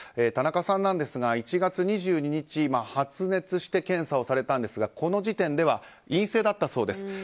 田中さんなんですが１月２２日、発熱して検査をされたんですがこの時点では陰性だったそうです。